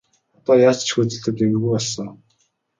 Одоо яаж ч хөөцөлдөөд нэмэргүй болсон.